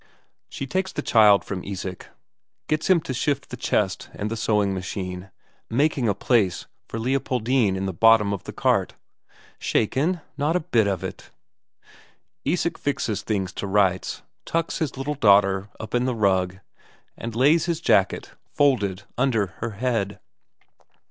She takes the child from Isak, gets him to shift the chest and the sewing machine, making a place for Leopoldine in the bottom of the cart. "Shaken? not a bit of it!" Isak fixes things to rights, tucks his little daughter up in the rug, and lays his jacket folded under her head.